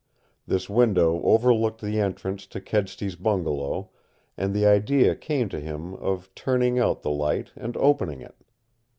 This window overlooked the entrance to Kedsty's bungalow, and the idea came to him of turning out the light and opening it.